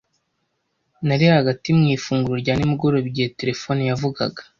Nari hagati mu ifunguro rya nimugoroba igihe terefone yavugaga.